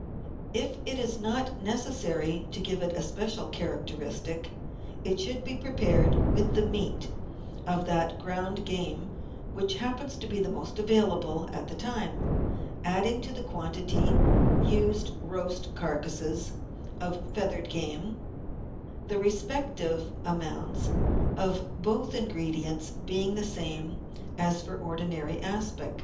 If it is not necessary to give it a special characteristic, it should be prepared with the meat of that ground game which happens to be most available at the time, adding to the quantity used roast carcases of feathered game, the respective amounts of both ingredients being the same as for ordinary aspic.